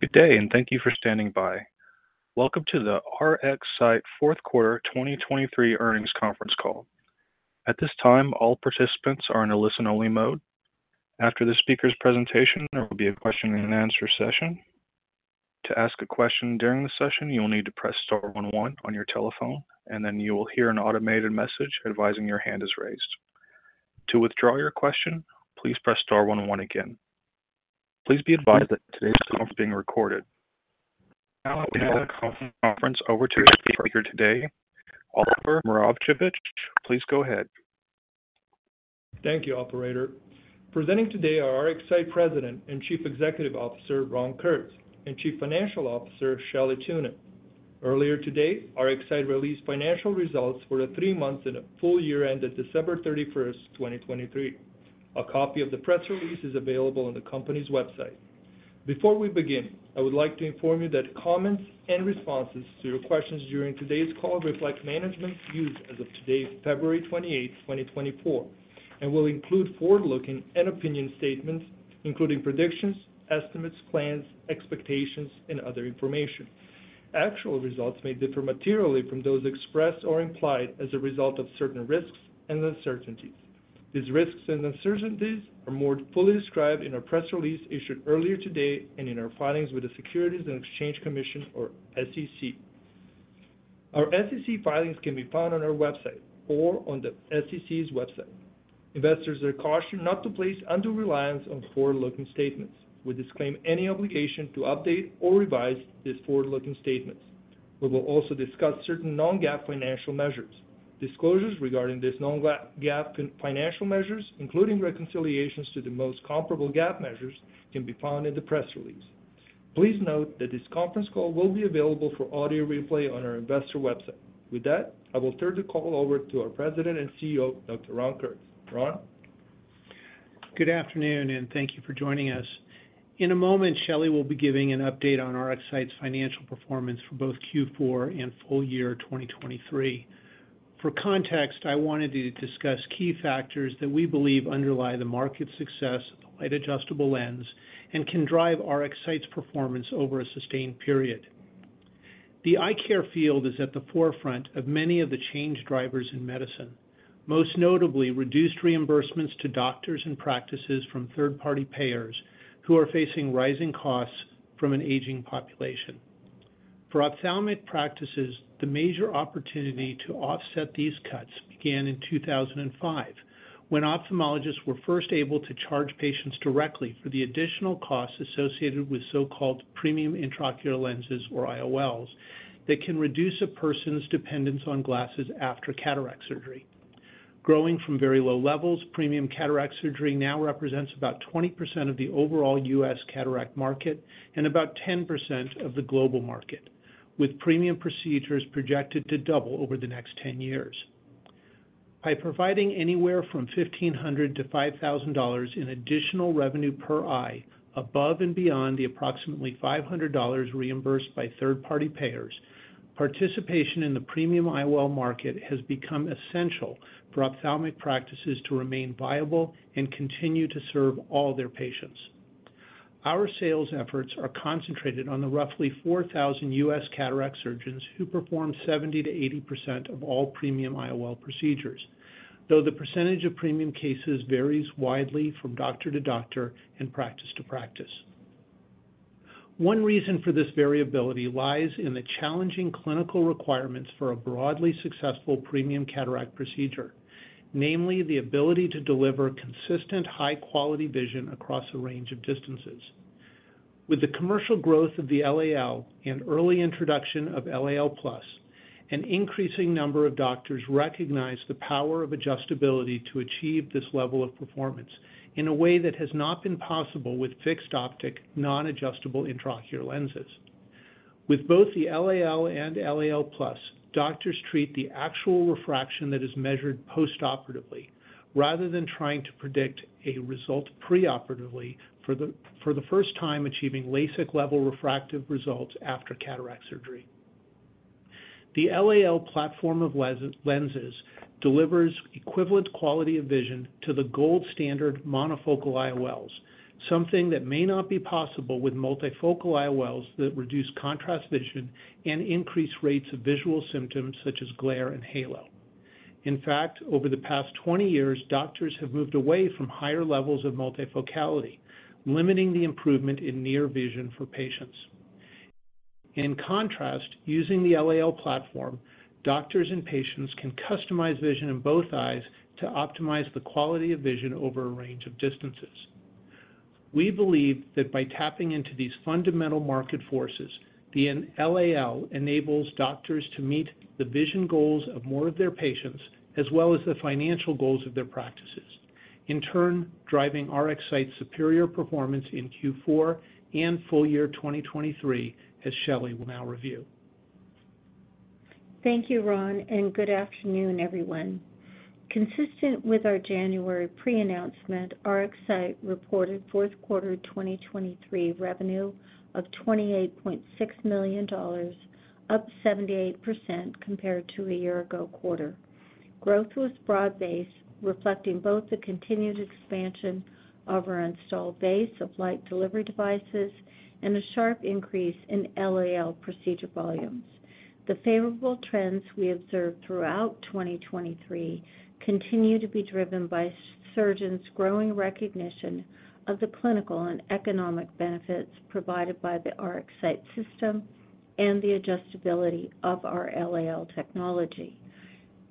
Good day, and thank you for standing by. Welcome to the RxSight fourth quarter 2023 earnings conference call. At this time, all participants are in a listen-only mode. After the speaker's presentation, there will be a question-and-answer session. To ask a question during the session, you will need to press star 11 on your telephone, and then you will hear an automated message advising your hand is raised. To withdraw your question, please press Star one one again. Please be advised that today's call is being recorded. Now we have the conference over to our speaker today, Oliver Moravcevic. Please go ahead. Thank you, Operator. Presenting today are RxSight President and Chief Executive Officer Ron Kurtz and Chief Financial Officer Shelley Thunen. Earlier today, RxSight released financial results for the three months and a full year-end at December 31st, 2023. A copy of the press release is available on the company's website. Before we begin, I would like to inform you that comments and responses to your questions during today's call reflect management's views as of today, February 28th, 2024, and will include forward-looking and opinion statements, including predictions, estimates, plans, expectations, and other information. Actual results may differ materially from those expressed or implied as a result of certain risks and uncertainties. These risks and uncertainties are more fully described in our press release issued earlier today and in our filings with the Securities and Exchange Commission, or SEC. Our SEC filings can be found on our website or on the SEC's website. Investors are cautioned not to place undue reliance on forward-looking statements. We disclaim any obligation to update or revise these forward-looking statements. We will also discuss certain non-GAAP financial measures. Disclosures regarding these non-GAAP financial measures, including reconciliations to the most comparable GAAP measures, can be found in the press release. Please note that this conference call will be available for audio replay on our investor website. With that, I will turn the call over to our President and CEO, Dr. Ron Kurtz. Ron? Good afternoon, and thank you for joining us. In a moment, Shelley will be giving an update on RxSight's financial performance for both Q4 and full year 2023. For context, I wanted to discuss key factors that we believe underlie the market's success of the Light Adjustable Lens and can drive RxSight's performance over a sustained period. The eye care field is at the forefront of many of the change drivers in medicine, most notably reduced reimbursements to doctors and practices from third-party payers who are facing rising costs from an aging population. For ophthalmic practices, the major opportunity to offset these cuts began in 2005, when ophthalmologists were first able to charge patients directly for the additional costs associated with so-called premium intraocular lenses, or IOLs, that can reduce a person's dependence on glasses after cataract surgery. Growing from very low levels, premium cataract surgery now represents about 20% of the overall U.S. cataract market and about 10% of the global market, with premium procedures projected to double over the next 10 years. By providing anywhere from $1,500-$5,000 in additional revenue per eye above and beyond the approximately $500 reimbursed by third-party payers, participation in the premium IOL market has become essential for ophthalmic practices to remain viable and continue to serve all their patients. Our sales efforts are concentrated on the roughly 4,000 U.S. cataract surgeons who perform 70%-80% of all premium IOL procedures, though the percentage of premium cases varies widely from doctor to doctor and practice to practice. One reason for this variability lies in the challenging clinical requirements for a broadly successful premium cataract procedure, namely the ability to deliver consistent, high-quality vision across a range of distances. With the commercial growth of the LAL and early introduction of LAL+, an increasing number of doctors recognize the power of adjustability to achieve this level of performance in a way that has not been possible with fixed-optic, non-adjustable intraocular lenses. With both the LAL and LAL+, doctors treat the actual refraction that is measured postoperatively rather than trying to predict a result preoperatively for the first time achieving LASIK-level refractive results after cataract surgery. The LAL platform of lenses delivers equivalent quality of vision to the gold standard monofocal IOLs, something that may not be possible with multifocal IOLs that reduce contrast vision and increase rates of visual symptoms such as glare and halo. In fact, over the past 20 years, doctors have moved away from higher levels of multifocality, limiting the improvement in near vision for patients. In contrast, using the LAL platform, doctors and patients can customize vision in both eyes to optimize the quality of vision over a range of distances. We believe that by tapping into these fundamental market forces, the LAL enables doctors to meet the vision goals of more of their patients as well as the financial goals of their practices, in turn driving RxSight's superior performance in Q4 and full year 2023, as Shelley will now review. Thank you, Ron, and good afternoon, everyone. Consistent with our January pre-announcement, RxSight reported fourth quarter 2023 revenue of $28.6 million, up 78% compared to a year-ago quarter. Growth was broad-based, reflecting both the continued expansion of our installed base of light delivery devices and a sharp increase in LAL procedure volumes. The favorable trends we observed throughout 2023 continue to be driven by surgeons' growing recognition of the clinical and economic benefits provided by the RxSight system and the adjustability of our LAL technology.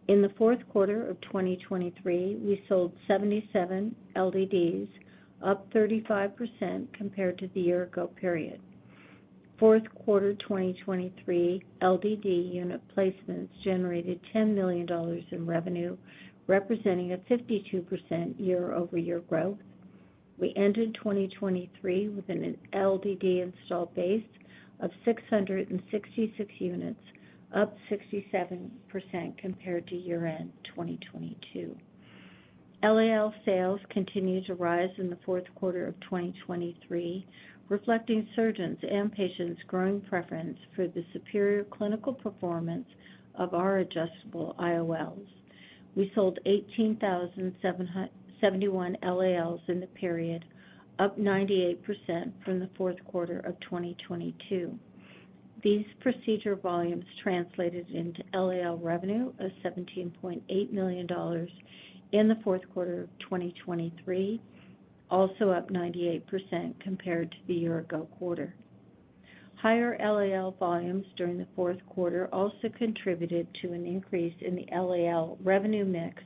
In the fourth quarter of 2023, we sold 77 LDDs, up 35% compared to the year-ago period. Fourth quarter 2023 LDD unit placements generated $10 million in revenue, representing a 52% year-over-year growth. We ended 2023 with an LDD installed base of 666 units, up 67% compared to year-end 2022. LAL sales continued to rise in the fourth quarter of 2023, reflecting surgeons' and patients' growing preference for the superior clinical performance of our adjustable IOLs. We sold 18,771 LALs in the period, up 98% from the fourth quarter of 2022. These procedure volumes translated into LAL revenue of $17.8 million in the fourth quarter of 2023, also up 98% compared to the year-ago quarter. Higher LAL volumes during the fourth quarter also contributed to an increase in the LAL revenue mix,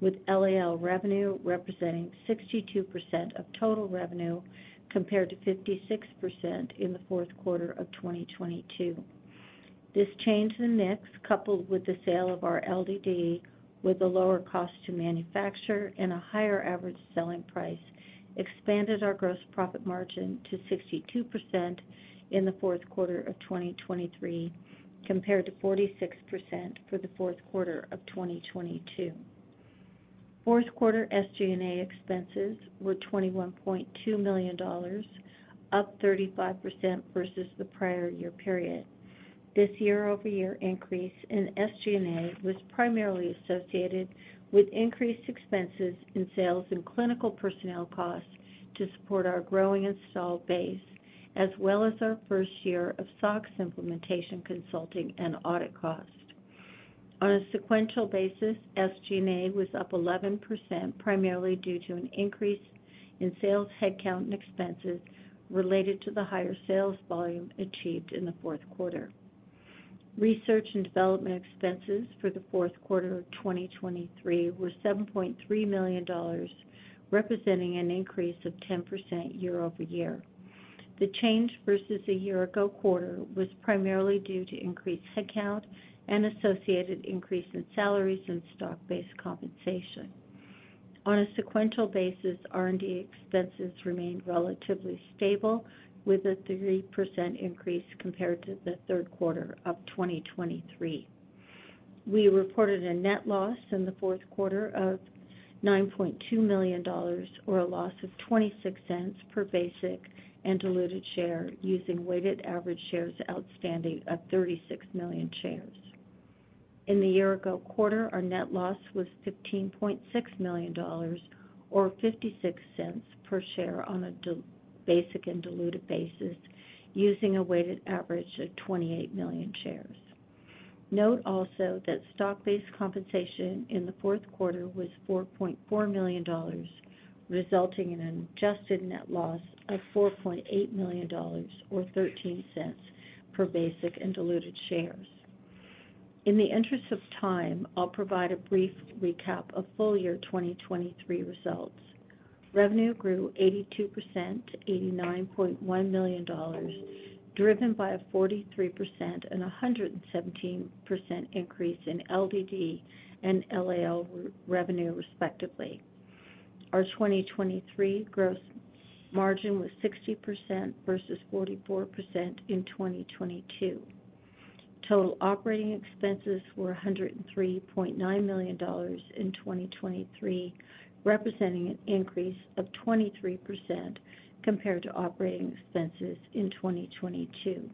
with LAL revenue representing 62% of total revenue compared to 56% in the fourth quarter of 2022. This change in the mix, coupled with the sale of our LDD with a lower cost to manufacture and a higher average selling price, expanded our gross profit margin to 62% in the fourth quarter of 2023, compared to 46% for the fourth quarter of 2022. Fourth quarter SG&A expenses were $21.2 million, up 35% versus the prior year period. This year-over-year increase in SG&A was primarily associated with increased expenses in sales and clinical personnel costs to support our growing installed base, as well as our first year of SOX implementation consulting and audit costs. On a sequential basis, SG&A was up 11% primarily due to an increase in sales headcount and expenses related to the higher sales volume achieved in the fourth quarter. Research and development expenses for the fourth quarter of 2023 were $7.3 million, representing an increase of 10% year-over-year. The change versus the year-ago quarter was primarily due to increased headcount and associated increase in salaries and stock-based compensation. On a sequential basis, R&D expenses remained relatively stable, with a 3% increase compared to the third quarter of 2023. We reported a net loss in the fourth quarter of $9.2 million, or a loss of $0.26 per basic and diluted share, using weighted average shares outstanding of 36 million shares. In the year-ago quarter, our net loss was $15.6 million, or $0.56 per share on a basic and diluted basis, using a weighted average of 28 million shares. Note also that stock-based compensation in the fourth quarter was $4.4 million, resulting in an adjusted net loss of $4.8 million, or $0.13 per basic and diluted shares. In the interest of time, I'll provide a brief recap of full year 2023 results. Revenue grew 82% to $89.1 million, driven by a 43% and 117% increase in LDD and LAL revenue, respectively. Our 2023 gross margin was 60% versus 44% in 2022. Total operating expenses were $103.9 million in 2023, representing an increase of 23% compared to operating expenses in 2022.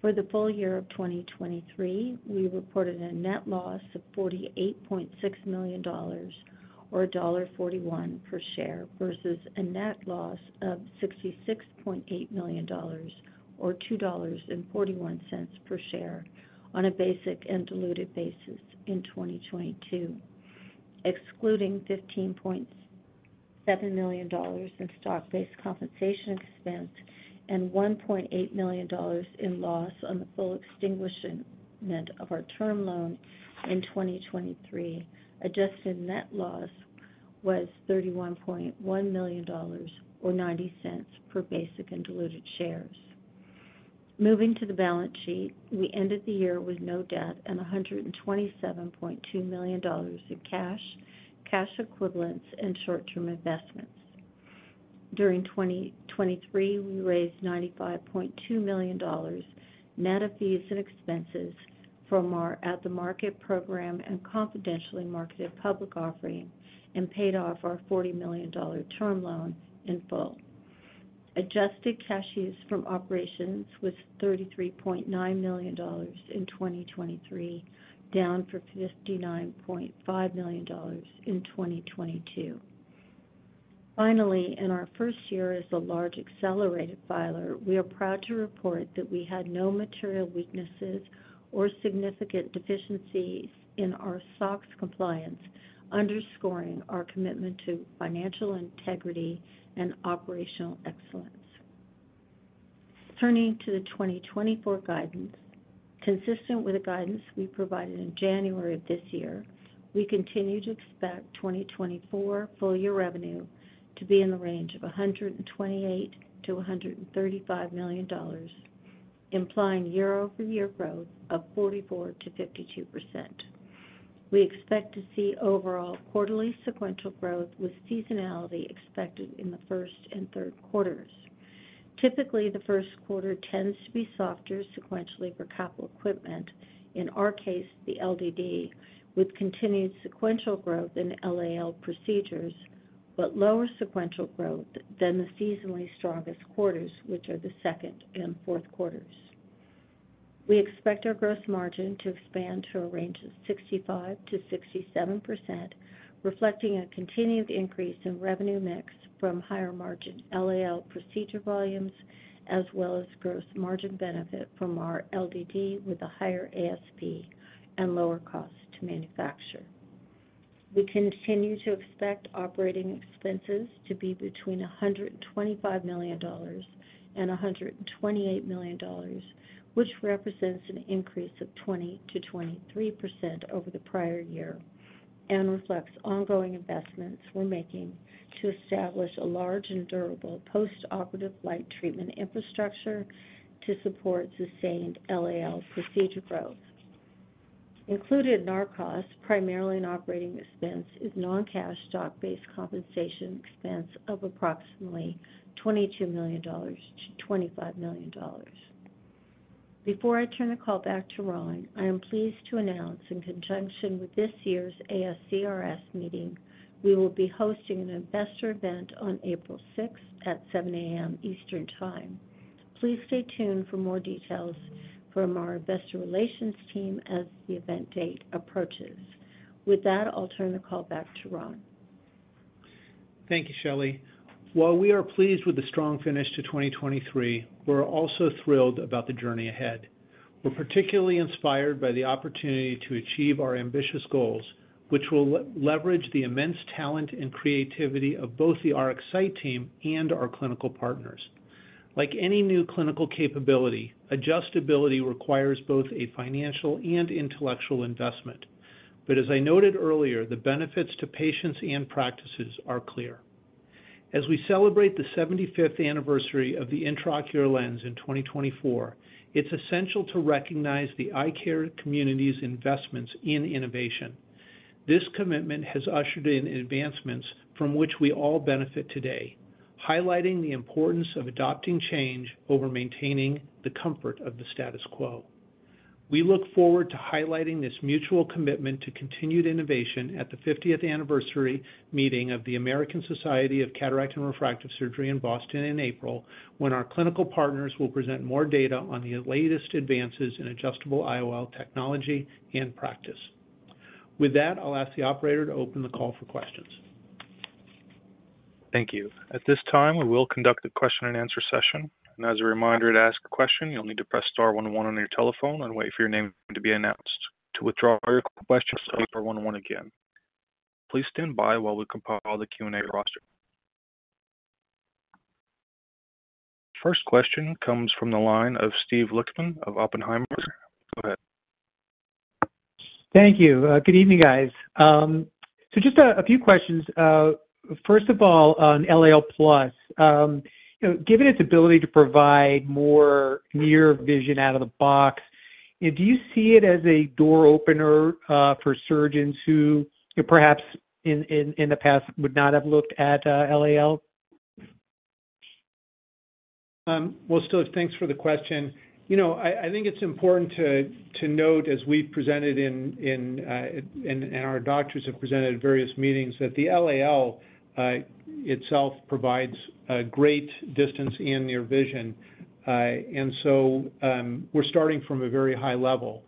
For the full year of 2023, we reported a net loss of $48.6 million, or $1.41 per share, versus a net loss of $66.8 million, or $2.41 per share, on a basic and diluted basis in 2022, excluding $15.7 million in stock-based compensation expense and $1.8 million in loss on the full extinguishment of our term loan in 2023. Adjusted net loss was $31.1 million, or $0.90 per basic and diluted shares. Moving to the balance sheet, we ended the year with no debt and $127.2 million in cash, cash equivalents, and short-term investments. During 2023, we raised $95.2 million net of fees and expenses from our at-the-market program and confidentially marketed public offering and paid off our $40 million term loan in full. Adjusted cash use from operations was $33.9 million in 2023, down for $59.5 million in 2022. Finally, in our first year as a large accelerated filer, we are proud to report that we had no material weaknesses or significant deficiencies in our SOX compliance, underscoring our commitment to financial integrity and operational excellence. Turning to the 2024 guidance, consistent with the guidance we provided in January of this year, we continue to expect 2024 full year revenue to be in the range of $128-$135 million, implying year-over-year growth of 44%-52%. We expect to see overall quarterly sequential growth with seasonality expected in the first and third quarters. Typically, the first quarter tends to be softer sequentially for capital equipment, in our case the LDD, with continued sequential growth in LAL procedures but lower sequential growth than the seasonally strongest quarters, which are the second and fourth quarters. We expect our gross margin to expand to a range of 65%-67%, reflecting a continued increase in revenue mix from higher margin LAL procedure volumes as well as gross margin benefit from our LDD with a higher ASP and lower cost to manufacture. We continue to expect operating expenses to be between $125 million-$128 million, which represents an increase of 20%-23% over the prior year and reflects ongoing investments we're making to establish a large and durable postoperative light treatment infrastructure to support sustained LAL procedure growth. Included in our costs, primarily in operating expense, is non-cash stock-based compensation expense of approximately $22 million-$25 million. Before I turn the call back to Ron, I am pleased to announce, in conjunction with this year's ASCRS meeting, we will be hosting an investor event on April 6 at 7:00 A.M. Eastern Time. Please stay tuned for more details from our investor relations team as the event date approaches. With that, I'll turn the call back to Ron. Thank you, Shelley. While we are pleased with the strong finish to 2023, we're also thrilled about the journey ahead. We're particularly inspired by the opportunity to achieve our ambitious goals, which will leverage the immense talent and creativity of both the RxSight team and our clinical partners. Like any new clinical capability, adjustability requires both a financial and intellectual investment, but as I noted earlier, the benefits to patients and practices are clear. As we celebrate the 75th anniversary of the intraocular lens in 2024, it's essential to recognize the eye care community's investments in innovation. This commitment has ushered in advancements from which we all benefit today, highlighting the importance of adopting change over maintaining the comfort of the status quo. We look forward to highlighting this mutual commitment to continued innovation at the 50th anniversary meeting of the American Society of Cataract and Refractive Surgery in Boston in April, when our clinical partners will present more data on the latest advances in adjustable IOL technology and practice. With that, I'll ask the operator to open the call for questions. Thank you. At this time, we will conduct a question-and-answer session. As a reminder, to ask a question, you'll need to press Star one one on your telephone and wait for your name to be announced. To withdraw your question, press Star one one again. Please stand by while we compile the Q&A roster. First question comes from the line of Steve Lichtman of Oppenheimer. Go ahead. Thank you. Good evening, guys. Just a few questions. First of all, on LAL+, given its ability to provide more near vision out of the box, do you see it as a door opener for surgeons who perhaps in the past would not have looked at LAL? Well, Steve, thanks for the question. I think it's important to note, as we've presented, and our doctors have presented at various meetings, that the LAL itself provides great distance and near vision. And so we're starting from a very high level.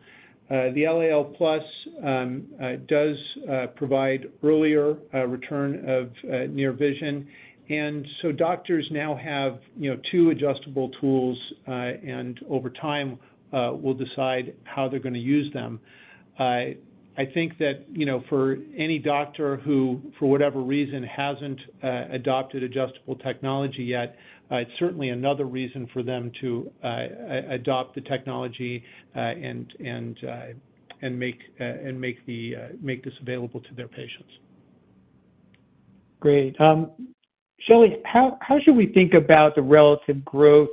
The LAL+ does provide earlier return of near vision, and so doctors now have two adjustable tools, and over time, we'll decide how they're going to use them. I think that for any doctor who, for whatever reason, hasn't adopted adjustable technology yet, it's certainly another reason for them to adopt the technology and make this available to their patients. Great. Shelley, how should we think about the relative growth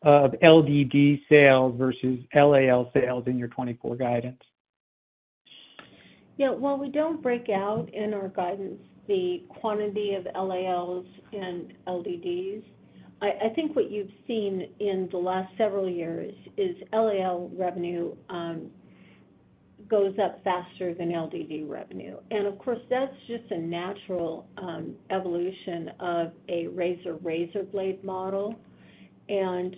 of LDD sales versus LAL sales in your 2024 guidance? Yeah, while we don't break out in our guidance the quantity of LALs and LDDs, I think what you've seen in the last several years is LAL revenue goes up faster than LDD revenue. And of course, that's just a natural evolution of a razor-razor blade model, and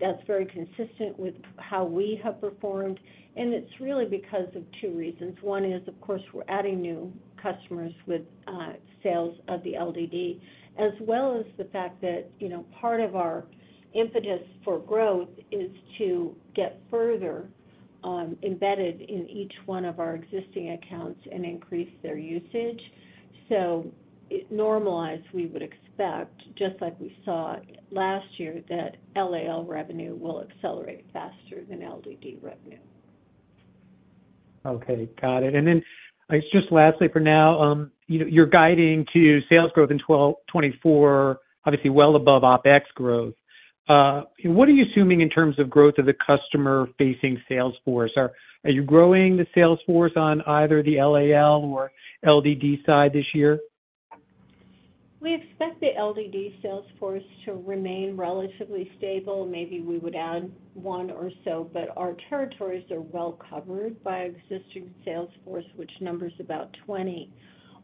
that's very consistent with how we have performed. And it's really because of two reasons. One is, of course, we're adding new customers with sales of the LDD, as well as the fact that part of our impetus for growth is to get further embedded in each one of our existing accounts and increase their usage. So normalized, we would expect, just like we saw last year, that LAL revenue will accelerate faster than LDD revenue. Okay, got it. And then just lastly for now, you're guiding to sales growth in 2024, obviously well above OpEx growth. What are you assuming in terms of growth of the customer-facing sales force? Are you growing the sales force on either the LAL or LDD side this year? We expect the LDD sales force to remain relatively stable. Maybe we would add one or so, but our territories are well covered by existing sales force, which numbers about 20.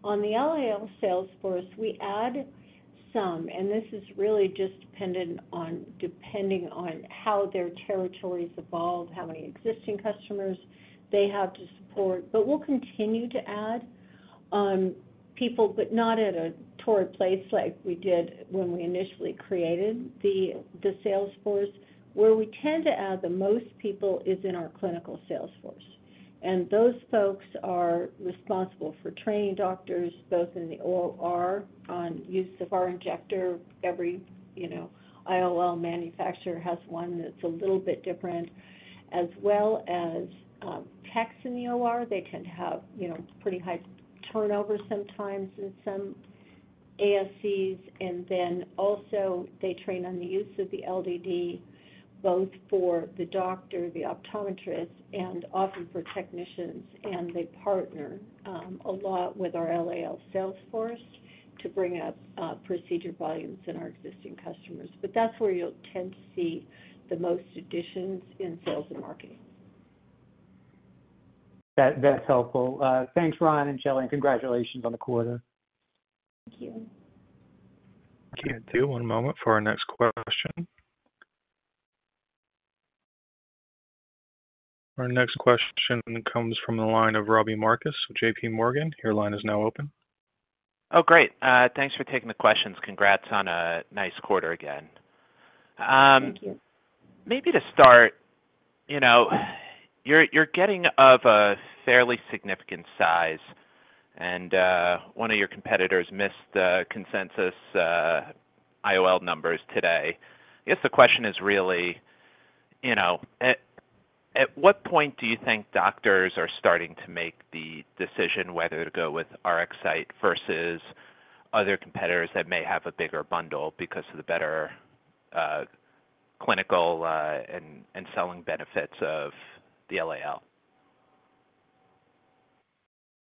On the LAL sales force, we add some, and this is really just depending on how their territories evolve, how many existing customers they have to support. But we'll continue to add people, but not at a torrid pace like we did when we initially created the sales force. Where we tend to add the most people is in our clinical sales force. And those folks are responsible for training doctors, both in the OR on use of our injector. Every IOL manufacturer has one that's a little bit different, as well as techs in the OR. They tend to have pretty high turnover sometimes in some ASCs. And then also, they train on the use of the LDD, both for the doctor, the optometrist, and often for technicians. And they partner a lot with our LAL sales force to bring up procedure volumes in our existing customers. But that's where you'll tend to see the most additions in sales and marketing. That's helpful. Thanks, Ron and Shelley, and congratulations on the quarter. Thank you. [Can you do] one moment for our next question? Our next question comes from the line of Robbie Marcus with JP Morgan. Your line is now open. Oh, great. Thanks for taking the questions. Congrats on a nice quarter again. Thank you. Maybe to start, you're getting to a fairly significant size, and one of your competitors missed the consensus IOL numbers today. I guess the question is really, at what point do you think doctors are starting to make the decision whether to go with RxSight versus other competitors that may have a bigger bundle because of the better clinical and selling benefits of the LAL?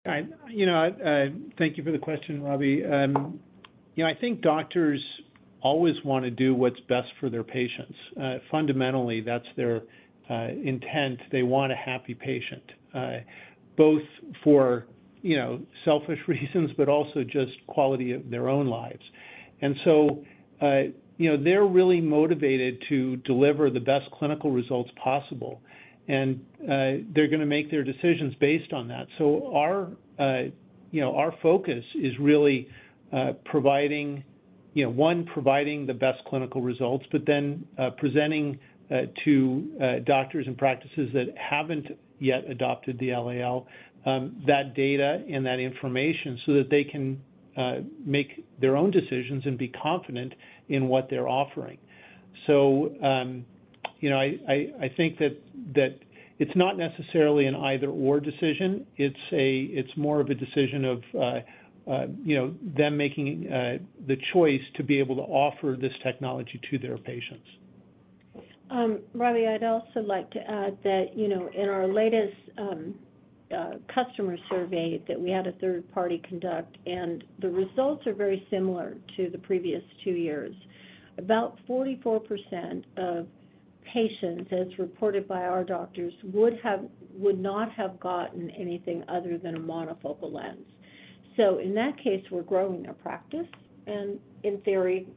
All right. Thank you for the question, Robbie. I think doctors always want to do what's best for their patients. Fundamentally, that's their intent. They want a happy patient, both for selfish reasons but also just quality of their own lives. And so they're really motivated to deliver the best clinical results possible, and they're going to make their decisions based on that. So our focus is really, one, providing the best clinical results, but then presenting to doctors and practices that haven't yet adopted the LAL that data and that information so that they can make their own decisions and be confident in what they're offering. So I think that it's not necessarily an either/or decision. It's more of a decision of them making the choice to be able to offer this technology to their patients. Robbie, I'd also like to add that in our latest customer survey that we had a third party conduct, and the results are very similar to the previous two years, about 44% of patients, as reported by our doctors, would not have gotten anything other than a monofocal lens. So in that case, we're growing our practice and, in theory,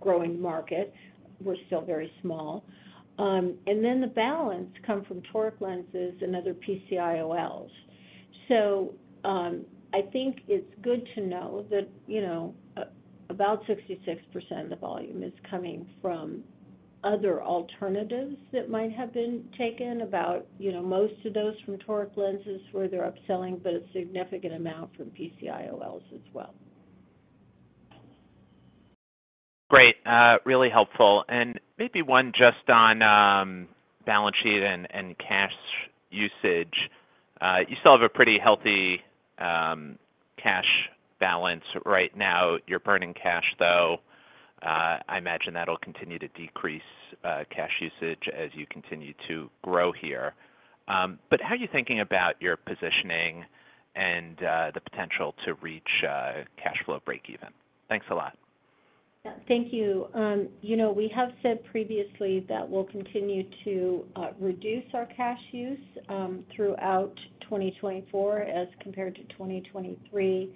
growing the market. We're still very small. And then the balance comes from toric lenses and other PCIOLs. So I think it's good to know that about 66% of the volume is coming from other alternatives that might have been taken. About most of those from toric lenses were their upselling, but a significant amount from PCIOLs as well. Great. Really helpful. And maybe one just on balance sheet and cash usage. You still have a pretty healthy cash balance right now. You're burning cash, though. I imagine that'll continue to decrease cash usage as you continue to grow here. But how are you thinking about your positioning and the potential to reach cash flow breakeven? Thanks a lot. Yeah, thank you. We have said previously that we'll continue to reduce our cash use throughout 2024 as compared to 2023,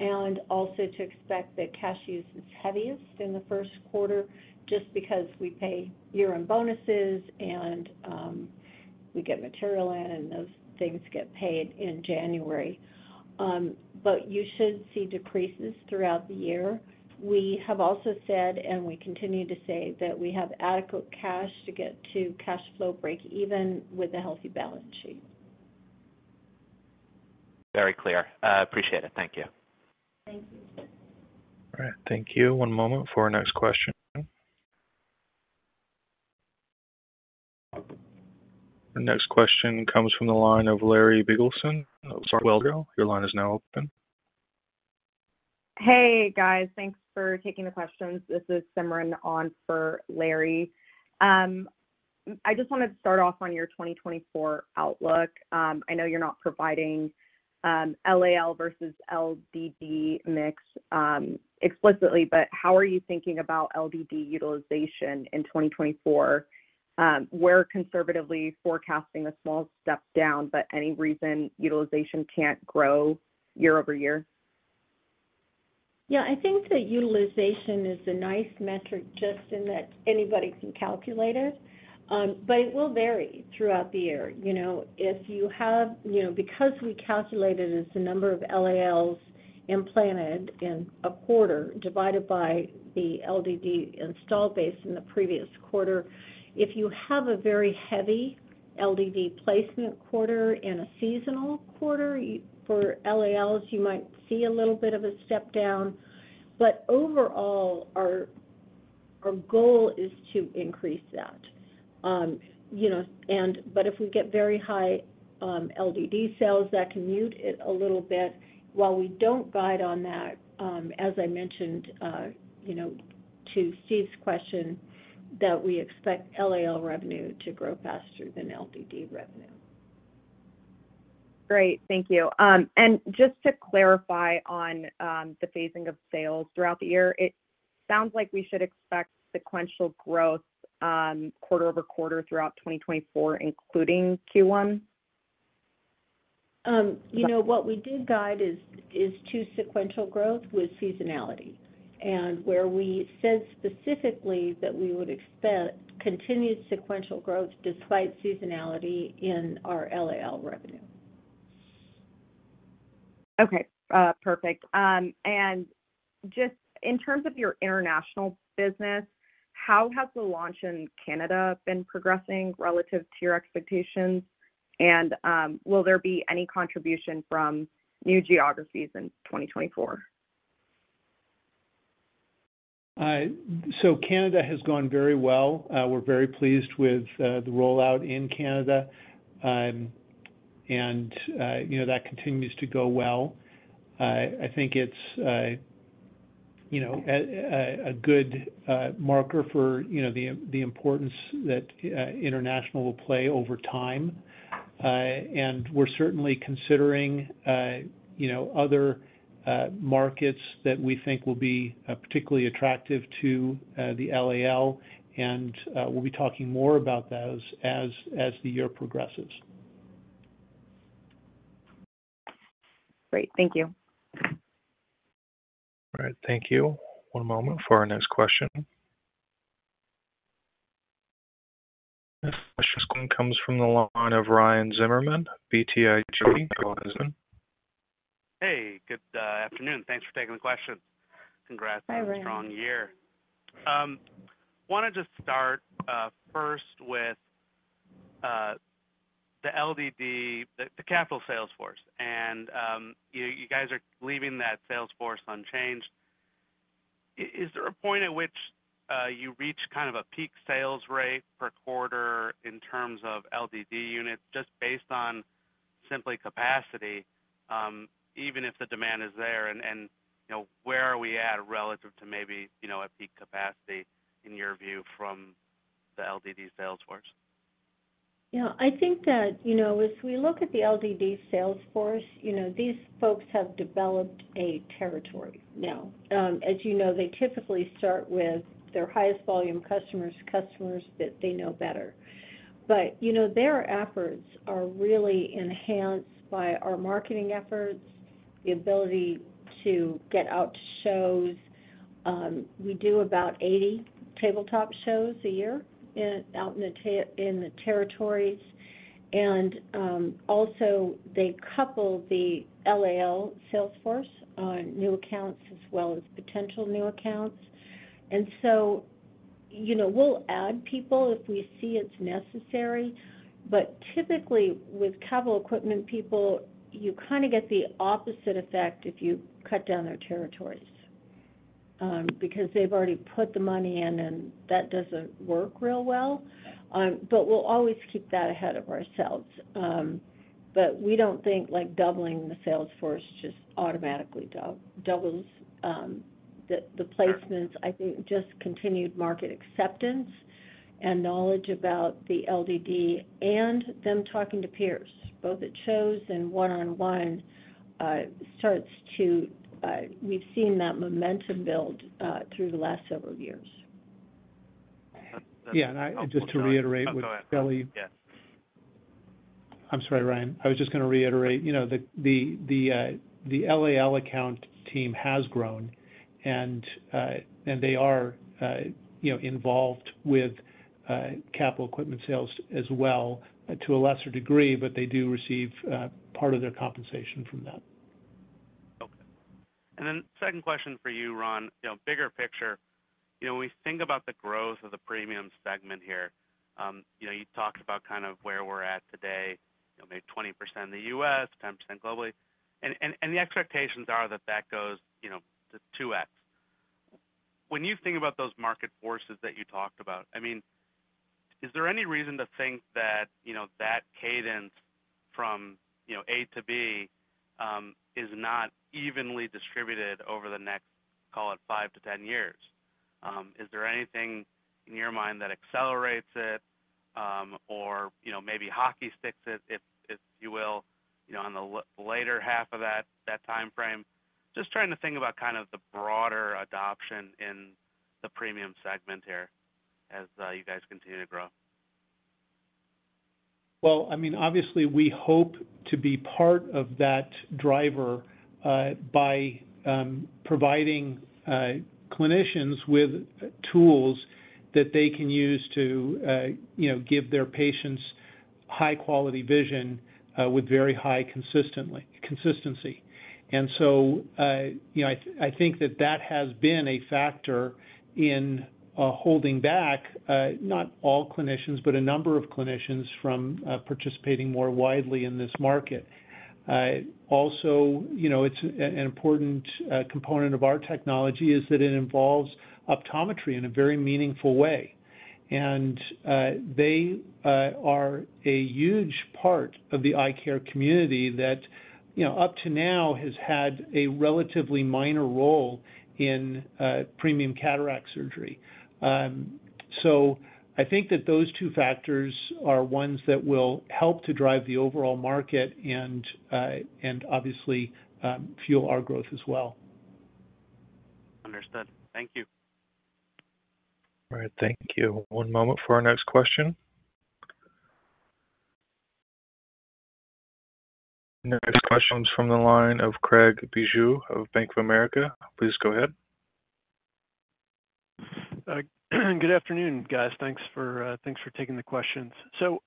and also to expect that cash use is heaviest in the first quarter just because we pay year-end bonuses and we get material in and those things get paid in January. But you should see decreases throughout the year. We have also said, and we continue to say, that we have adequate cash to get to cash flow breakeven with a healthy balance sheet. Very clear. Appreciate it. Thank you. Thank you. All right. Thank you. One moment for our next question. Our next question comes from the line of Larry Biegelsen. Oh, sorry. Wells Fargo. Your line is now open. Hey, guys. Thanks for taking the questions. This is Simran on for Larry. I just wanted to start off on your 2024 outlook. I know you're not providing LAL versus LDD mix explicitly, but how are you thinking about LDD utilization in 2024? We're conservatively forecasting a small step down, but any reason utilization can't grow year-over-year? Yeah, I think that utilization is a nice metric just in that anybody can calculate it, but it will vary throughout the year. If you have because we calculated it as the number of LALs implanted in a quarter divided by the LDD installed base in the previous quarter, if you have a very heavy LDD placement quarter and a seasonal quarter for LALs, you might see a little bit of a step down. But overall, our goal is to increase that. But if we get very high LDD sales, that can mute it a little bit. While we don't guide on that, as I mentioned to Steve's question, that we expect LAL revenue to grow faster than LDD revenue. Great. Thank you. Just to clarify on the phasing of sales throughout the year, it sounds like we should expect sequential growth quarter over quarter throughout 2024, including Q1? What we did guide is to sequential growth with seasonality, and where we said specifically that we would expect continued sequential growth despite seasonality in our LAL revenue. Okay, perfect. And just in terms of your international business, how has the launch in Canada been progressing relative to your expectations? And will there be any contribution from new geographies in 2024? So Canada has gone very well. We're very pleased with the rollout in Canada, and that continues to go well. I think it's a good marker for the importance that international will play over time. And we're certainly considering other markets that we think will be particularly attractive to the LAL, and we'll be talking more about those as the year progresses. Great. Thank you. All right. Thank you. One moment for our next question. Next question comes from the line of Ryan Zimmerman, BTIG, New England. Hey. Good afternoon. Thanks for taking the question. Congrats on a strong year. Want to just start first with the capital sales force. And you guys are leaving that sales force unchanged. Is there a point at which you reach kind of a peak sales rate per quarter in terms of LDD units, just based on simply capacity, even if the demand is there? And where are we at relative to maybe a peak capacity, in your view, from the LDD sales force? Yeah, I think that if we look at the LDD sales force, these folks have developed a territory now. As you know, they typically start with their highest volume customers, customers that they know better. But their efforts are really enhanced by our marketing efforts, the ability to get out to shows. We do about 80 tabletop shows a year out in the territories. And also, they couple the LAL sales force on new accounts as well as potential new accounts. And so we'll add people if we see it's necessary. But typically, with capital equipment people, you kind of get the opposite effect if you cut down their territories because they've already put the money in, and that doesn't work real well. But we'll always keep that ahead of ourselves. But we don't think doubling the sales force just automatically doubles the placements. I think just continued market acceptance and knowledge about the LDD and them talking to peers, both at shows and one-on-one, we've seen that momentum build through the last several years. Yeah. And just to reiterate with Shelley, I'm sorry, Ryan. I was just going to reiterate. The LAL account team has grown, and they are involved with capital equipment sales as well to a lesser degree, but they do receive part of their compensation from that. Okay. And then second question for you, Ron, bigger picture. When we think about the growth of the premium segment here, you talked about kind of where we're at today, maybe 20% in the U.S., 10% globally. And the expectations are that that goes to 2X. When you think about those market forces that you talked about, I mean, is there any reason to think that that cadence from A to B is not evenly distributed over the next, call it, five to 10 years? Is there anything in your mind that accelerates it or maybe hockey sticks it, if you will, on the later half of that timeframe? Just trying to think about kind of the broader adoption in the premium segment here as you guys continue to grow. Well, I mean, obviously, we hope to be part of that driver by providing clinicians with tools that they can use to give their patients high-quality vision with very high consistency. And so I think that that has been a factor in holding back not all clinicians, but a number of clinicians from participating more widely in this market. Also, an important component of our technology is that it involves optometry in a very meaningful way. And they are a huge part of the eye care community that, up to now, has had a relatively minor role in premium cataract surgery. So I think that those two factors are ones that will help to drive the overall market and, obviously, fuel our growth as well. Understood. Thank you. All right. Thank you. One moment for our next question. Next question comes from the line of Craig Bijou of Bank of America. Please go ahead. Good afternoon, guys. Thanks for taking the questions. So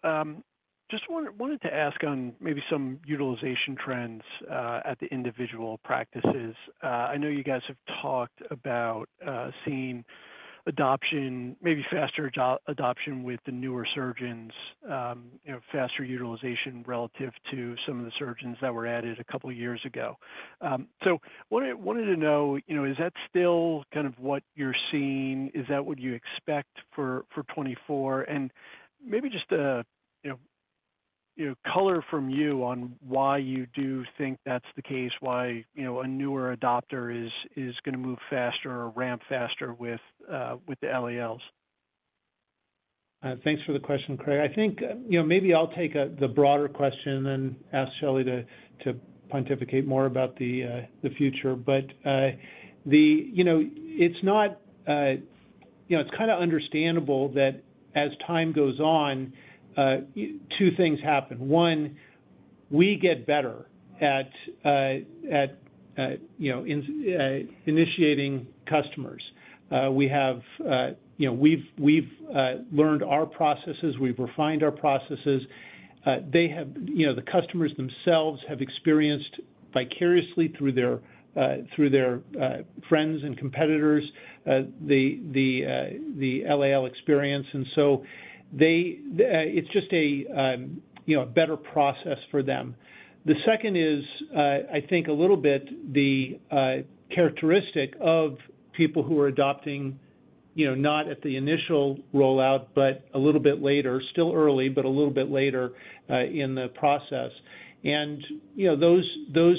just wanted to ask on maybe some utilization trends at the individual practices. I know you guys have talked about seeing maybe faster adoption with the newer surgeons, faster utilization relative to some of the surgeons that were added a couple of years ago. So wanted to know, is that still kind of what you're seeing? Is that what you expect for 2024? And maybe just a color from you on why you do think that's the case, why a newer adopter is going to move faster or ramp faster with the LALs. Thanks for the question, Craig. I think maybe I'll take the broader question and ask Shelley to pontificate more about the future. But it's kind of understandable that as time goes on, two things happen. One, we get better at initiating customers. We've learned our processes. We've refined our processes. The customers themselves have experienced vicariously through their friends and competitors the LAL experience. And so it's just a better process for them. The second is, I think, a little bit the characteristic of people who are adopting not at the initial rollout, but a little bit later still early, but a little bit later in the process. And those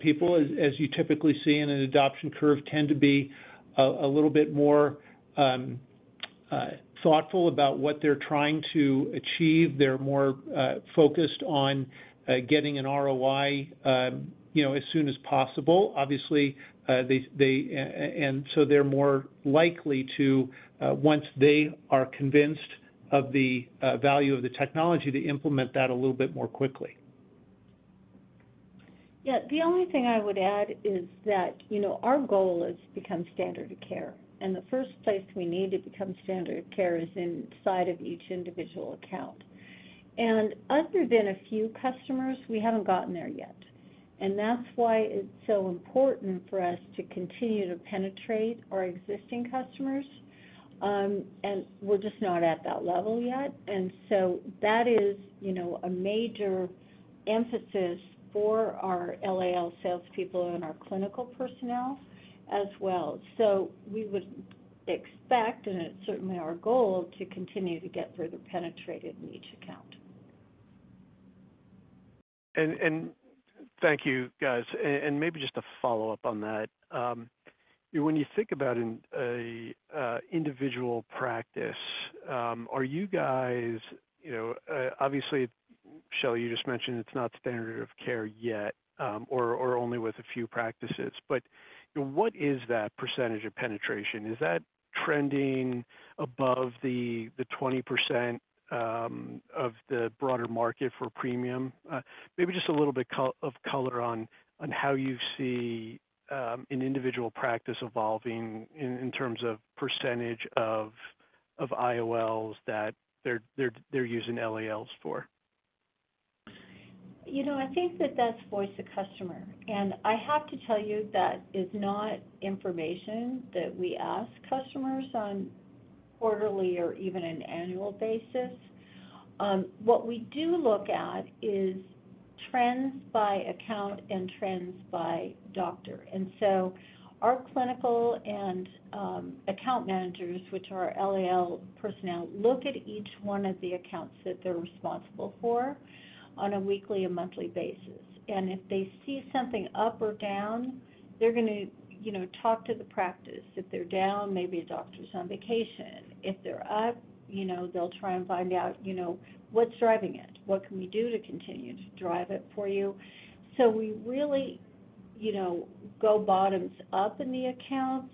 people, as you typically see in an adoption curve, tend to be a little bit more thoughtful about what they're trying to achieve. They're more focused on getting an ROI as soon as possible, obviously. They're more likely to, once they are convinced of the value of the technology, to implement that a little bit more quickly. Yeah. The only thing I would add is that our goal is to become standard of care. And the first place we need to become standard of care is inside of each individual account. And other than a few customers, we haven't gotten there yet. And that's why it's so important for us to continue to penetrate our existing customers. And we're just not at that level yet. And so that is a major emphasis for our LAL salespeople and our clinical personnel as well. So we would expect, and it's certainly our goal, to continue to get further penetrated in each account. Thank you, guys. Maybe just a follow-up on that. When you think about an individual practice, are you guys obviously, Shelley, you just mentioned it's not standard of care yet or only with a few practices. But what is that percentage of penetration? Is that trending above the 20% of the broader market for premium? Maybe just a little bit of color on how you see an individual practice evolving in terms of percentage of IOLs that they're using LALs for. I think that that's voice of customer. I have to tell you that is not information that we ask customers on quarterly or even an annual basis. What we do look at is trends by account and trends by doctor. So our clinical and account managers, which are LAL personnel, look at each one of the accounts that they're responsible for on a weekly and monthly basis. And if they see something up or down, they're going to talk to the practice. If they're down, maybe a doctor's on vacation. If they're up, they'll try and find out what's driving it. What can we do to continue to drive it for you? So we really go bottoms up in the accounts.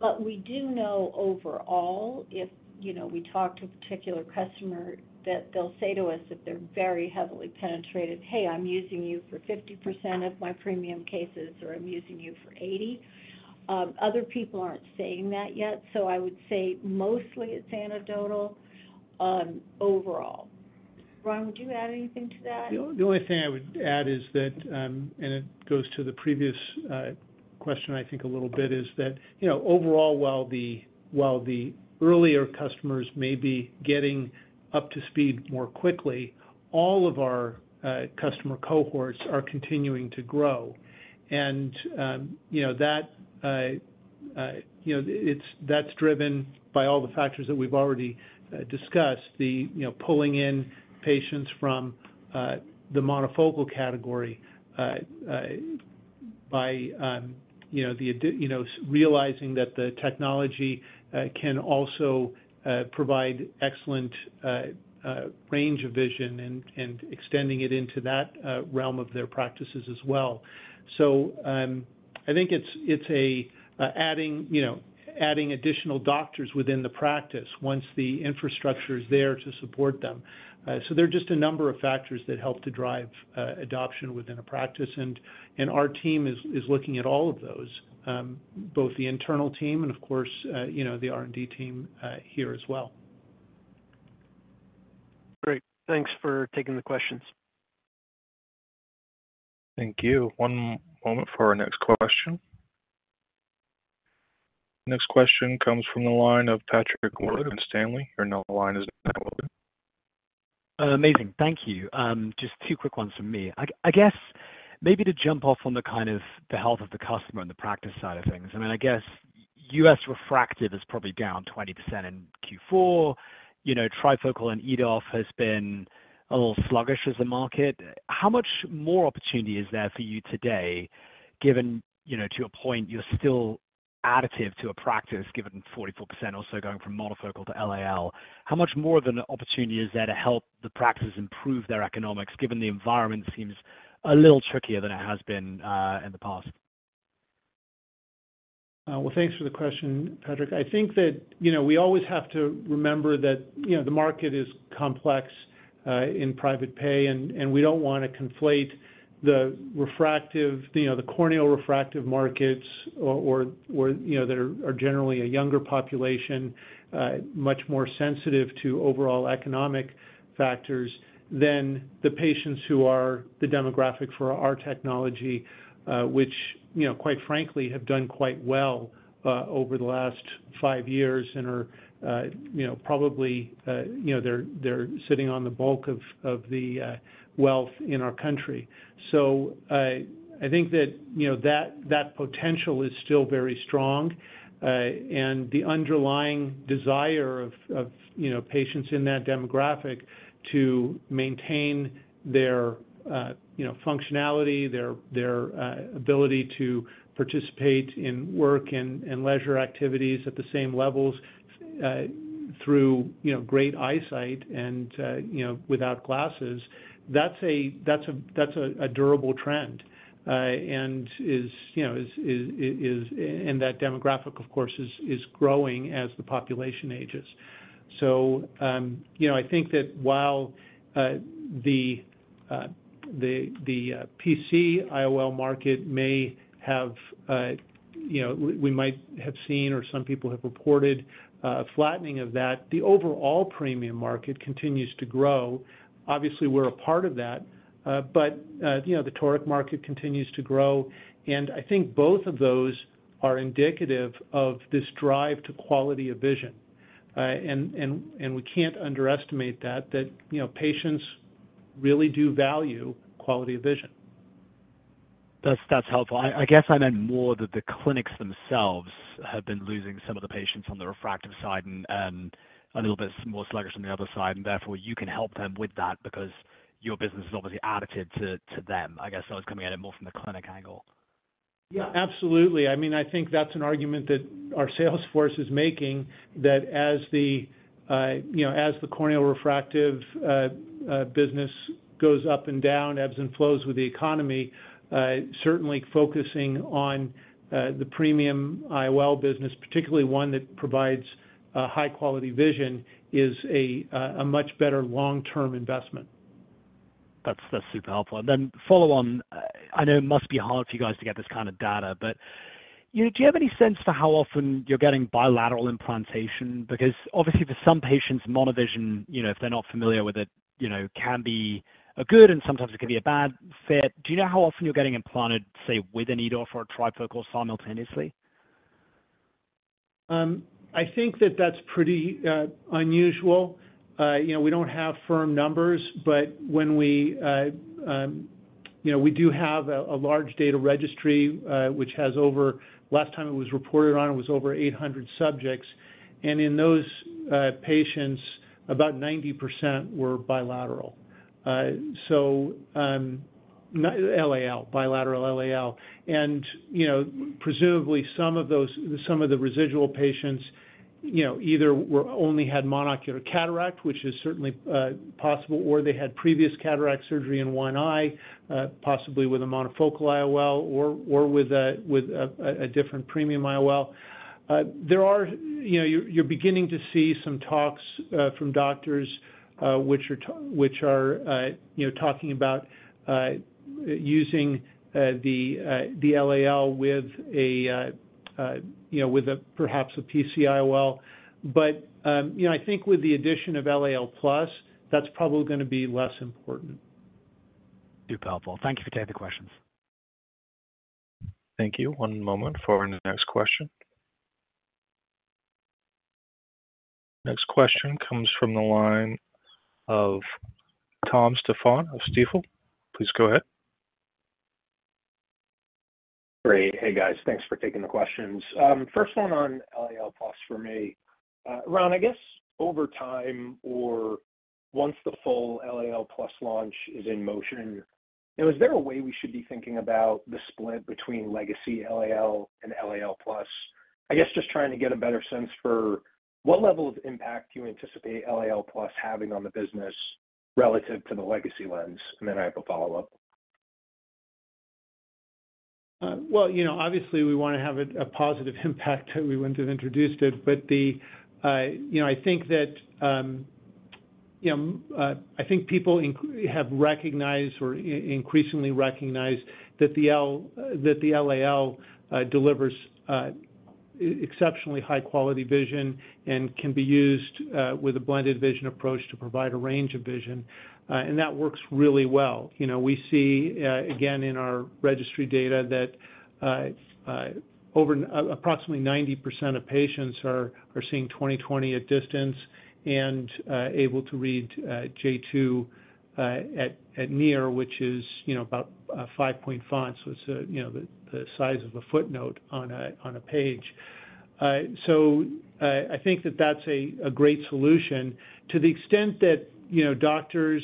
But we do know overall, if we talk to a particular customer, that they'll say to us, if they're very heavily penetrated, "Hey, I'm using you for 50% of my premium cases," or, "I'm using you for 80%." Other people aren't saying that yet. So I would say mostly it's anecdotal overall. Ron, would you add anything to that? The only thing I would add is that and it goes to the previous question, I think, a little bit, is that overall, while the earlier customers may be getting up to speed more quickly, all of our customer cohorts are continuing to grow. And that's driven by all the factors that we've already discussed, the pulling in patients from the monofocal category by realizing that the technology can also provide excellent range of vision and extending it into that realm of their practices as well. So I think it's adding additional doctors within the practice once the infrastructure is there to support them. So there are just a number of factors that help to drive adoption within a practice. And our team is looking at all of those, both the internal team and, of course, the R&D team here as well. Great. Thanks for taking the questions. Thank you. One moment for our next question. Next question comes from the line of Patrick Logan, Stanley. Your line is now open. Amazing. Thank you. Just two quick ones from me. I guess maybe to jump off on the kind of the health of the customer and the practice side of things. I mean, I guess U.S. refractive is probably down 20% in Q4. Trifocal and EDOF has been a little sluggish as a market. How much more opportunity is there for you today, given to your point, you're still additive to a practice, given 44% also going from monofocal to LAL? How much more of an opportunity is there to help the practice improve their economics, given the environment seems a little trickier than it has been in the past? Well, thanks for the question, Patrick. I think that we always have to remember that the market is complex in private pay, and we don't want to conflate the corneal refractive markets that are generally a younger population, much more sensitive to overall economic factors, than the patients who are the demographic for our technology, which, quite frankly, have done quite well over the last five years and are probably sitting on the bulk of the wealth in our country. So I think that that potential is still very strong. And the underlying desire of patients in that demographic to maintain their functionality, their ability to participate in work and leisure activities at the same levels through great eyesight and without glasses, that's a durable trend. And that demographic, of course, is growing as the population ages. So I think that while the PCIOL market may have, we might have seen, or some people have reported flattening of that, the overall premium market continues to grow. Obviously, we're a part of that. But the toric market continues to grow. And I think both of those are indicative of this drive to quality of vision. And we can't underestimate that, that patients really do value quality of vision. That's helpful. I guess I meant more that the clinics themselves have been losing some of the patients on the refractive side and a little bit more sluggish on the other side. And therefore, you can help them with that because your business is obviously additive to them. I guess I was coming at it more from the clinic angle. Yeah, absolutely. I mean, I think that's an argument that our salesforce is making, that as the corneal refractive business goes up and down, ebbs and flows with the economy, certainly focusing on the premium IOL business, particularly one that provides high-quality vision, is a much better long-term investment. That's super helpful. And then follow on. I know it must be hard for you guys to get this kind of data, but do you have any sense for how often you're getting bilateral implantation? Because obviously, for some patients, monovision, if they're not familiar with it, can be a good, and sometimes it can be a bad fit. Do you know how often you're getting implanted, say, with an EDOF or a trifocal simultaneously? I think that that's pretty unusual. We don't have firm numbers, but when we do have a large data registry, which has, over last time it was reported on, over 800 subjects. And in those patients, about 90% were bilateral. So LAL, bilateral LAL. And presumably, some of those, some of the residual patients either only had monocular cataract, which is certainly possible, or they had previous cataract surgery in one eye, possibly with a monofocal IOL or with a different premium IOL. There, you're beginning to see some talks from doctors, which are talking about using the LAL with perhaps a PC IOL. But I think with the addition of LAL+, that's probably going to be less important. Super helpful. Thank you for taking the questions. Thank you. One moment for our next question. Next question comes from the line of Tom Stephan of Stifel. Please go ahead. Great. Hey, guys. Thanks for taking the questions. First one on LAL+ for me. Ron, I guess over time or once the full LAL+ launch is in motion, is there a way we should be thinking about the split between legacy LAL and LAL+? I guess just trying to get a better sense for what level of impact you anticipate LAL+ having on the business relative to the legacy lens. And then I have a follow-up. Well, obviously, we want to have a positive impact that we went and introduced it. But I think that I think people have recognized or increasingly recognized that the LAL delivers exceptionally high-quality vision and can be used with a blended vision approach to provide a range of vision. And that works really well. We see, again, in our registry data that approximately 90% of patients are seeing 20/20 at distance and able to read J2 at near, which is about 5 point fonts. So it's the size of a footnote on a page. So I think that that's a great solution to the extent that doctors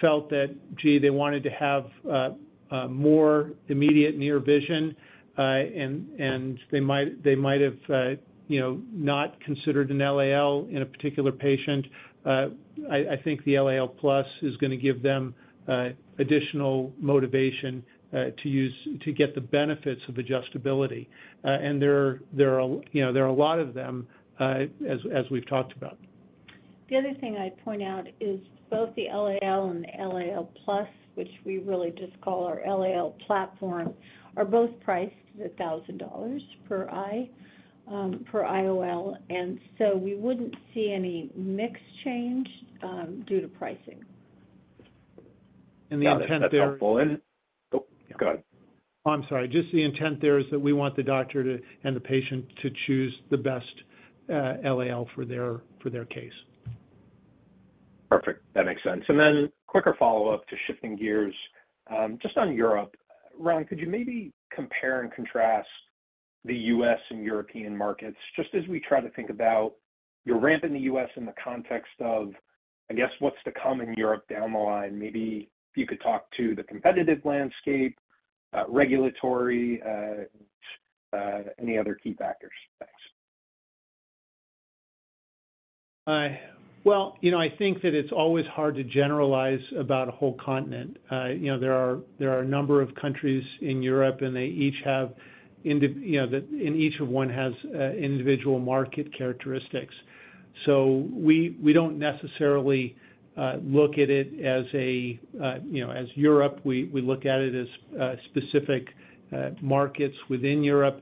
felt that, gee, they wanted to have more immediate near vision, and they might have not considered an LAL in a particular patient. I think the LAL+ is going to give them additional motivation to get the benefits of adjustability. There are a lot of them, as we've talked about. The other thing I'd point out is both the LAL and the LAL Plus, which we really just call our LAL platform, are both priced at $1,000 per IOL. And so we wouldn't see any mix change due to pricing. The intent there is. That's helpful. And oh, go ahead. I'm sorry. Just the intent there is that we want the doctor and the patient to choose the best LAL for their case. Perfect. That makes sense. And then quicker follow-up to shifting gears. Just on Europe, Ron, could you maybe compare and contrast the U.S. and European markets just as we try to think about your ramp in the U.S. in the context of, I guess, what's to come in Europe down the line? Maybe if you could talk to the competitive landscape, regulatory, any other key factors. Thanks. Well, I think that it's always hard to generalize about a whole continent. There are a number of countries in Europe, and they each have individual market characteristics. So we don't necessarily look at it as Europe, we look at it as specific markets within Europe.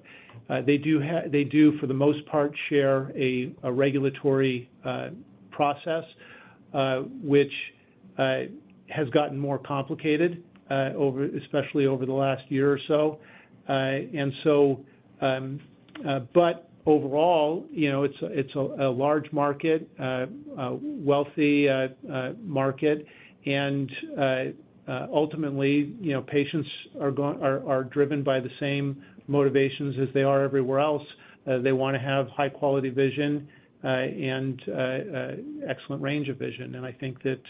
They do, for the most part, share a regulatory process, which has gotten more complicated, especially over the last year or so. But overall, it's a large market, wealthy market. And ultimately, patients are driven by the same motivations as they are everywhere else. They want to have high-quality vision and excellent range of vision. And I think that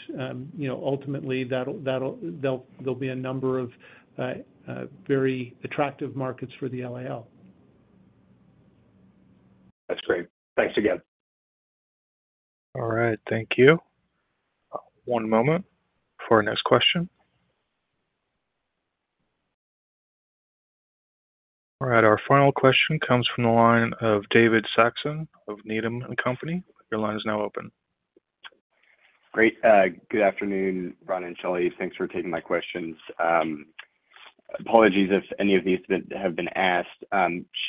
ultimately, there'll be a number of very attractive markets for the LAL. That's great. Thanks again. All right. Thank you. One moment for our next question. All right. Our final question comes from the line of David Saxon of Needham & Company. Your line is now open. Great. Good afternoon, Ron and Shelley. Thanks for taking my questions. Apologies if any of these have been asked.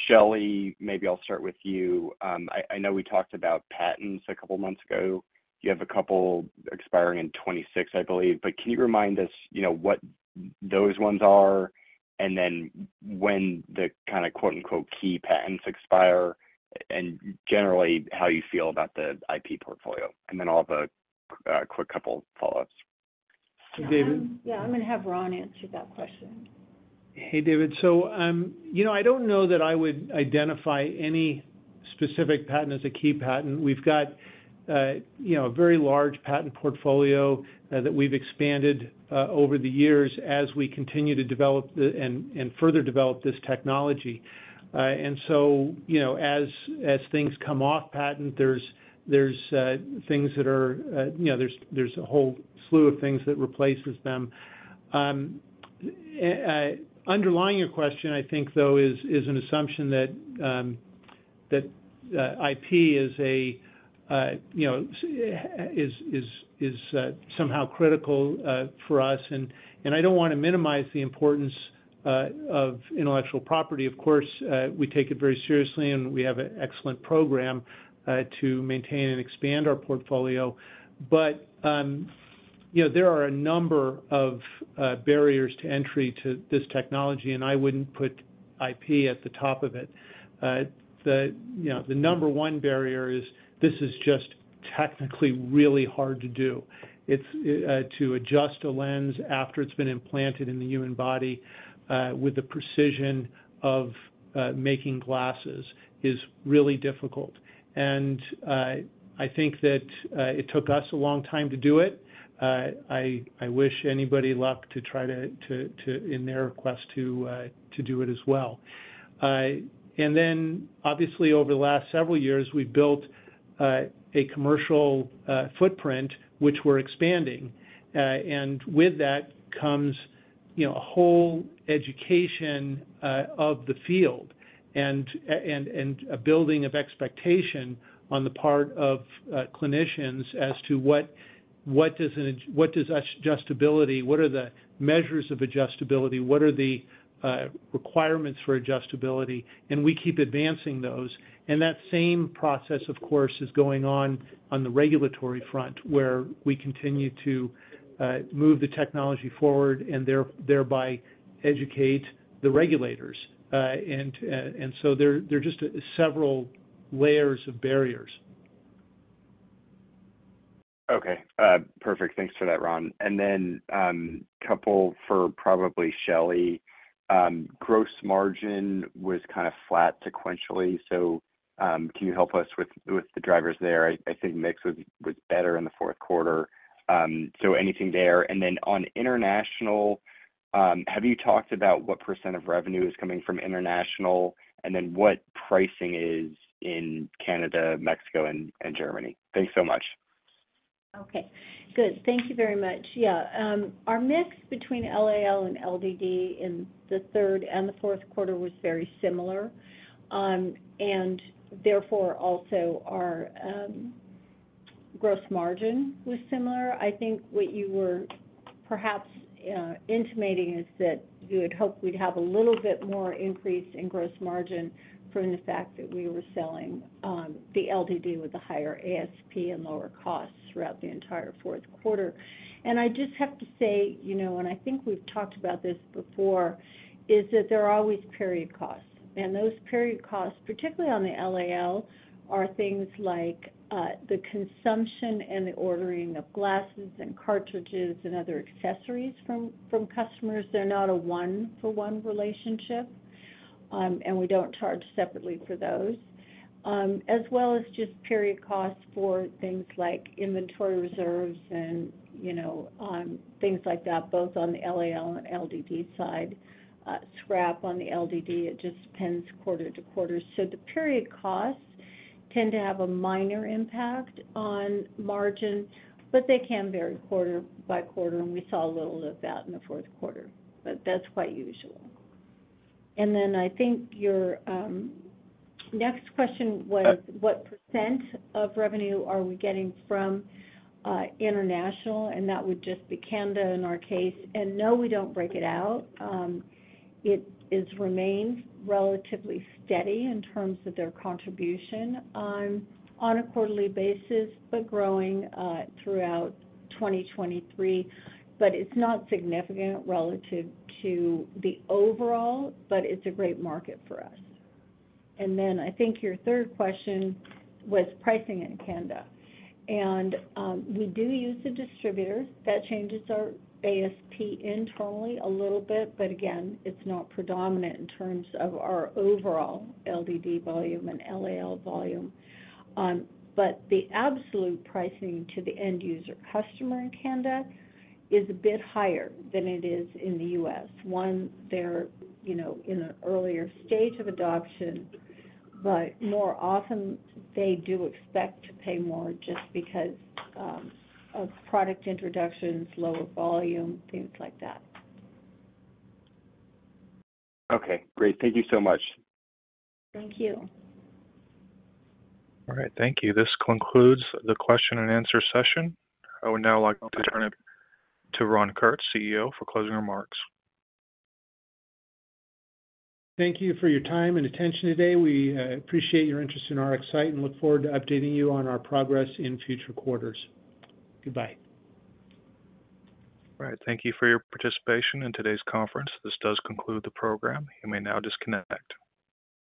Shelley, maybe I'll start with you. I know we talked about patents a couple of months ago. You have a couple expiring in 2026, I believe. But can you remind us what those ones are and then when the kind of "key patents" expire and generally how you feel about the IP portfolio? And then I'll have a quick couple of follow-ups. Hey, David. Yeah. I'm going to have Ron answer that question. Hey, David. So I don't know that I would identify any specific patent as a key patent. We've got a very large patent portfolio that we've expanded over the years as we continue to develop and further develop this technology. And so as things come off patent, there's a whole slew of things that replaces them. Underlying your question, I think, though, is an assumption that IP is somehow critical for us. And I don't want to minimize the importance of intellectual property. Of course, we take it very seriously, and we have an excellent program to maintain and expand our portfolio. But there are a number of barriers to entry to this technology, and I wouldn't put IP at the top of it. The number one barrier is this is just technically really hard to do. To adjust a lens after it's been implanted in the human body with the precision of making glasses is really difficult. And I think that it took us a long time to do it. I wish anybody luck to try to in their quest to do it as well. And then obviously, over the last several years, we've built a commercial footprint, which we're expanding. And with that comes a whole education of the field and a building of expectation on the part of clinicians as to what does adjustability? What are the measures of adjustability? What are the requirements for adjustability? And we keep advancing those. And that same process, of course, is going on on the regulatory front where we continue to move the technology forward and thereby educate the regulators. And so there are just several layers of barriers. Okay. Perfect. Thanks for that, Ron. And then a couple for probably Shelley. Gross margin was kind of flat sequentially. So can you help us with the drivers there? I think mix was better in the fourth quarter. So anything there? And then on international, have you talked about what % of revenue is coming from international and then what pricing is in Canada, Mexico, and Germany? Thanks so much. Okay. Good. Thank you very much. Yeah. Our mix between LAL and LDD in the third and the fourth quarter was very similar. And therefore, also, our gross margin was similar. I think what you were perhaps intimating is that you would hope we'd have a little bit more increase in gross margin from the fact that we were selling the LDD with a higher ASP and lower costs throughout the entire fourth quarter. And I just have to say, and I think we've talked about this before, is that there are always period costs. And those period costs, particularly on the LAL, are things like the consumption and the ordering of glasses and cartridges and other accessories from customers. They're not a one-for-one relationship. We don't charge separately for those, as well as just period costs for things like inventory reserves and things like that, both on the LAL and LDD side. Scrap on the LDD, it just depends quarter to quarter. So the period costs tend to have a minor impact on margin, but they can vary quarter by quarter. And we saw a little of that in the fourth quarter. But that's quite usual. And then I think your next question was what % of revenue are we getting from international? And that would just be Canada in our case. And no, we don't break it out. It remains relatively steady in terms of their contribution on a quarterly basis, but growing throughout 2023. But it's not significant relative to the overall, but it's a great market for us. And then I think your third question was pricing in Canada. We do use a distributor. That changes our ASP internally a little bit. But again, it's not predominant in terms of our overall LDD volume and LAL volume. But the absolute pricing to the end-user customer in Canada is a bit higher than it is in the U.S.. One, they're in an earlier stage of adoption, but more often, they do expect to pay more just because of product introductions, lower volume, things like that. Okay. Great. Thank you so much. Thank you. All right. Thank you. This concludes the question and answer session. I would now like to turn it to Ron Kurtz, CEO, for closing remarks. Thank you for your time and attention today. We appreciate your interest in our RxSight and look forward to updating you on our progress in future quarters. Goodbye. All right. Thank you for your participation in today's conference. This does conclude the program. You may now disconnect.